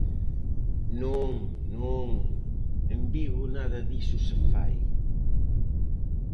Non, non, en Vigo nada diso se fai.